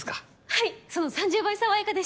はいその３０倍爽やかでした。